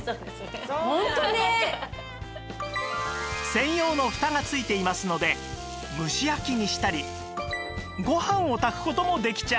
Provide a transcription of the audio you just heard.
専用のフタが付いていますので蒸し焼きにしたりご飯を炊く事もできちゃうんです